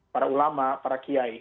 para ulama para kiai